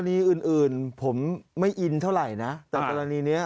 ทีอื่นผมไม่อินเท่าไหร่นะแต่ตอนนี้เนี่ย